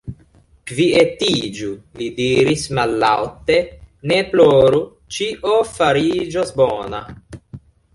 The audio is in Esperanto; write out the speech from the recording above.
Kvietiĝu! li diris mallaŭte, ne ploru, ĉio fariĝos bona.